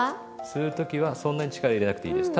吸う時はそんなに力入れなくていいです。